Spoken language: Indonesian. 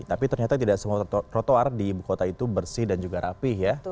tapi ternyata tidak semua trotoar di ibu kota itu bersih dan juga rapih ya